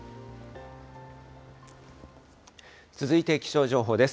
続いて気象情報です。